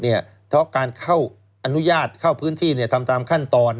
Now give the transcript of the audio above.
เพราะการเข้าอนุญาตเข้าพื้นที่ทำตามขั้นตอน